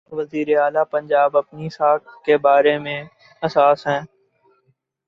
وزیر اعلی پنجاب اپنی ساکھ کے بارے میں حساس ہیں۔